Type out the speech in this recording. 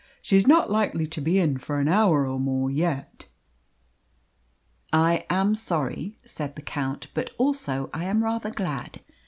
"She is not likely to be in for an hour and more yet." "I am sorry," said the Count; "but also I am rather glad.